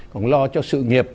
còn lo cho sự nghiệp